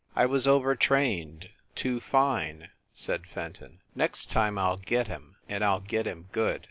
"I was overtrained. Too fine," said Fenton. "Next time I ll get him, and I ll get him good!"